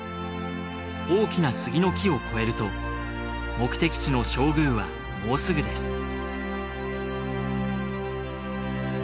大きな杉の木を越えると目的地の正宮はもうすぐです